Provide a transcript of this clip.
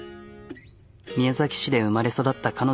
宮崎市で生まれ育った彼女。